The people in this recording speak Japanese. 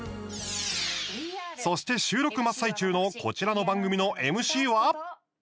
そして、収録真っ最中のこちらの番組のＭＣは。